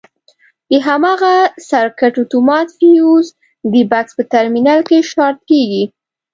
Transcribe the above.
د هماغه سرکټ اتومات فیوز د بکس په ترمینل کې شارټ کېږي.